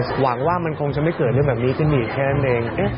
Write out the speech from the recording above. หวังว่ามันคงจะไม่เกิดเรื่องแบบนี้ขึ้นอีกแค่นั้นเอง